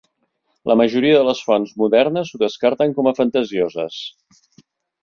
La majoria de les fonts modernes ho descarten com a fantasioses.